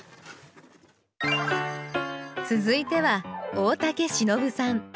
続いては大竹しのぶさん。